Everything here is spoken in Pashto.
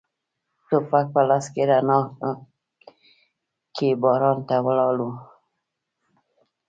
ټوپک په لاس په رڼا کې باران ته ولاړ و.